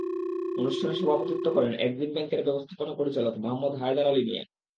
অনুষ্ঠানে সভাপতিত্ব করেন এক্সিম ব্যাংকের ব্যবস্থাপনা পরিচালক মোহাম্মদ হায়দার আলী মিয়া।